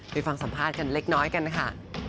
ไปฟังสัมภาษณ์กันเล็กน้อยกันค่ะ